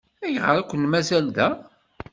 Ayɣer ay ken-mazal da?